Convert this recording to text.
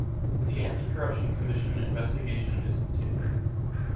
The Anti-Corruption Commission investigation is continuing.